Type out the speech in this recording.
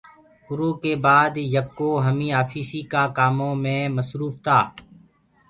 اُرو ڪي باد يڪو همي آفيٚسيٚ ڪآ ڪآم ڪارآ مي مسروڦ هوگآ۔